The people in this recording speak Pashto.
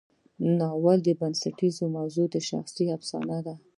د ناول بنسټیزه موضوع شخصي افسانه ده.